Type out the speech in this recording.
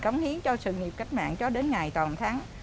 cống hiến cho sự nghiệp cách mạng cho đến ngày toàn thắng